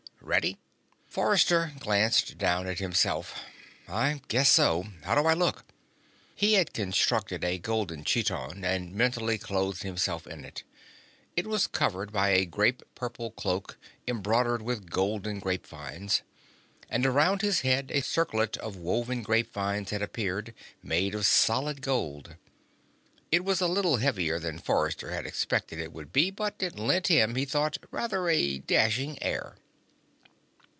"Ready?" Forrester glanced down at himself. "I guess so. How do I look?" He had constructed a golden chiton and mentally clothed himself in it. It was covered by a grape purple cloak embroidered with golden grapevines. And around his head a circlet of woven grapevines had appeared, made of solid gold. It was a little heavier than Forrester had expected it would be, but it lent him, he thought, rather a dashing air.